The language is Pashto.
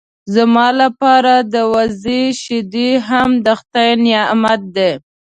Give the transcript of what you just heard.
زما لپاره د وزې شیدې هم د خدای نعمت دی.